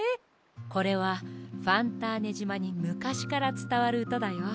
これはファンターネじまにむかしからつたわるうただよ。